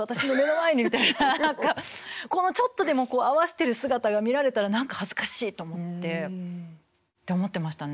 何かこのちょっとでも合わしてる姿が見られたら何か恥ずかしいと思ってって思ってましたね。